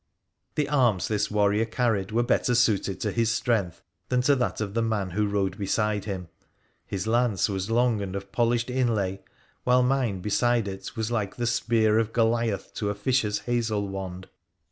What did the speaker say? The arms this warrior carried were better suited to his strength than to that of the man who rode beside him. His lance was long and of polished inlay, while mine beside it was like the spear of Goliath to a fisher's hazel wand.